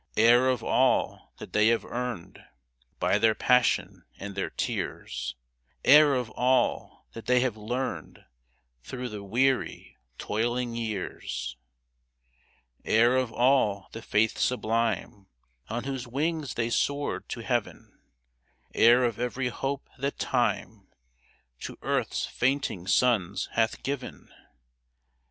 Heir of all that they have earned By their passion and their tears, — Heir of all that they have learned Through the weary, toiling years ! Heir of all the faith sublime On whose wings they soared to heaven ; Heir of every hope that Time To Earth's fainting sons hath given